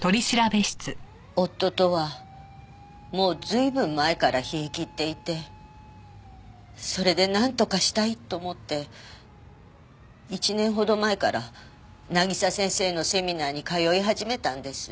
夫とはもう随分前から冷えきっていてそれでなんとかしたいと思って１年ほど前から渚先生のセミナーに通い始めたんです。